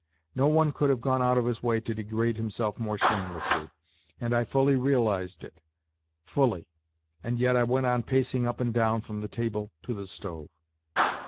No one could have gone out of his way to degrade himself more shamelessly, and I fully realized it, fully, and yet I went on pacing up and down from the table to the stove.